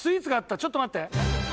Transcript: ちょっと待って！